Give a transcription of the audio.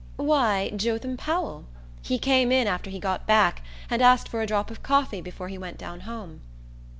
"Why, Jotham Powell. He came in after he got back, and asked for a drop of coffee before he went down home."